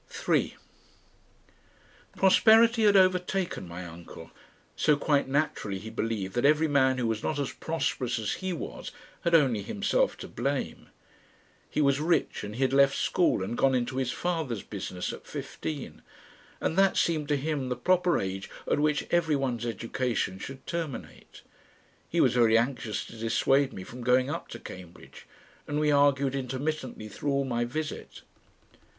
3 Prosperity had overtaken my uncle. So quite naturally he believed that every man who was not as prosperous as he was had only himself to blame. He was rich and he had left school and gone into his father's business at fifteen, and that seemed to him the proper age at which everyone's education should terminate. He was very anxious to dissuade me from going up to Cambridge, and we argued intermittently through all my visit.